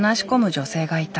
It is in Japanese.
女性がいた。